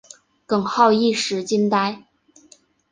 耿浩一时惊呆。